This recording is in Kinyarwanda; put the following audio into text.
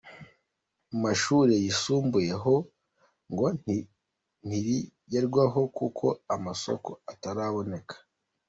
Mu mashuri yisumbuye ho ngo ntirigerwaho kuko amasoko ataraboneka.